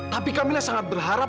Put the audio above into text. tapi kamila sangat berharap